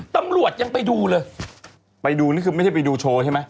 ตำรวจยังไปดูเลยไปดูนี่คือไม่ได้ไปดูโชว์ใช่ไหม